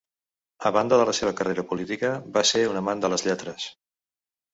A banda de la seva carrera política, va ser un amant de les lletres.